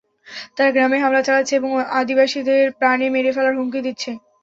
তারা গ্রামে হামলা চালাচ্ছে এবং আদিবাসীদের প্রাণে মেরে ফেলার হুমকি দিচ্ছে।